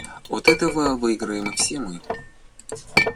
От этого выиграем все мы.